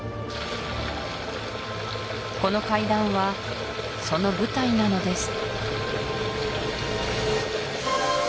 この階段はその舞台なのです